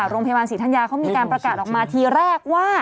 โรงพยาบาลศรีธัญญาเขามีการประกาศออกมาทีแรกว่า